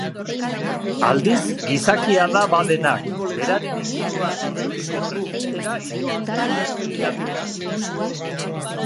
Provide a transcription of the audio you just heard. Aldiz gizakia da badenak, beraren inguruan bilduriko presentera irekitzen denak begiratua.